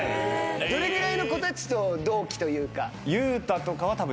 どれぐらいの子たちと同期というか。